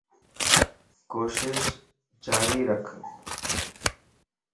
ڪوشش جاري رک